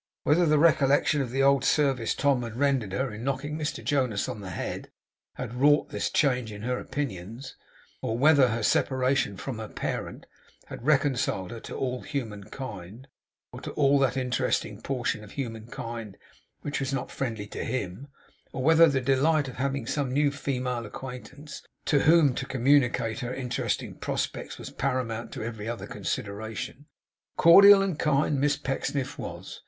Whether the recollection of the old service Tom had rendered her in knocking Mr Jonas on the head had wrought this change in her opinions; or whether her separation from her parent had reconciled her to all human kind, or to all that interesting portion of human kind which was not friendly to him; or whether the delight of having some new female acquaintance to whom to communicate her interesting prospects was paramount to every other consideration; cordial and kind Miss Pecksniff was.